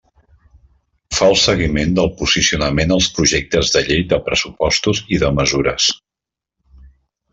Fa el seguiment del posicionament als projectes de llei de pressupostos i de mesures.